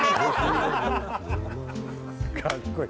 かっこいい！